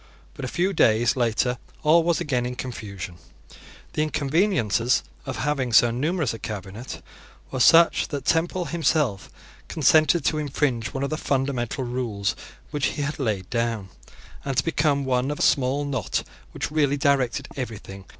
But a few days later all was again in confusion. The inconveniences of having so numerous a cabinet were such that Temple himself consented to infringe one of the fundamental rules which he had laid down, and to become one of a small knot which really directed everything.